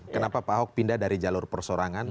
kenapa pak ahok pindah dari jalur persorangan